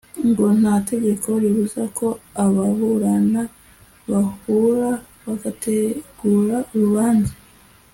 ngo nta tegeko ribuza ko ababurana bahura bagategura urubanza